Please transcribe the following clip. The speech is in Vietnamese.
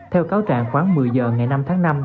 theo cáo trạng khoảng một mươi giờ ngày năm tháng năm